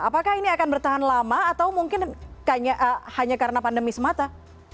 apakah ini akan bertahan lama atau mungkin hanya karena pandemi semata